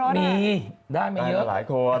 ตองด้วยมีได้ไม่เยอะแต่หลายคน